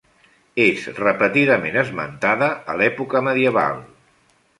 És repetidament esmentada a l'època medieval.